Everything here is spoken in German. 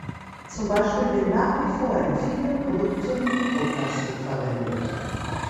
Zum Beispiel wird nach wie vor in vielen Produkten Mikroplastik verwendet.